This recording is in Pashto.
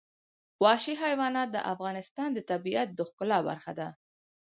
وحشي حیوانات د افغانستان د طبیعت د ښکلا برخه ده.